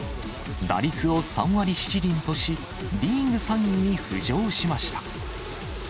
打率を３割７厘とし、リーグ３位に浮上しました。